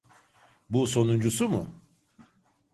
Bu sonuncusu mu?